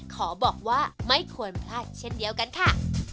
ขอบอกว่าไม่ควรพลาดเช่นเดียวกันค่ะ